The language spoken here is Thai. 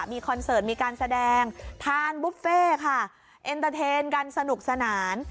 มีคอนเสิร์ตมีการแสดงทานบุฟเฟ่ค่ะเอ็นเตอร์เทนกันสนุกสนาน